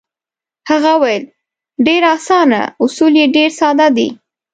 هغه وویل: ډېر اسانه، اصول یې ډېر ساده دي.